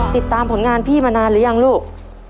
ติดตามผลงานพี่มานานหรือยังลูก